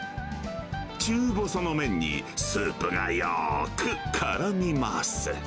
中細の麺にスープがよーくからみます。